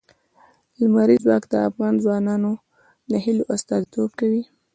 لمریز ځواک د افغان ځوانانو د هیلو استازیتوب کوي.